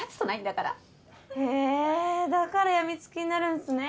だから病み付きになるんすね。